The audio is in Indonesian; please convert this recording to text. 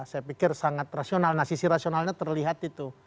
saya pikir sangat rasional nah sisi rasionalnya terlihat itu